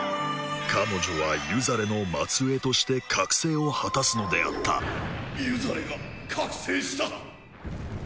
彼女はユザレの末えいとして覚醒を果たすのであったユザレが覚醒した！？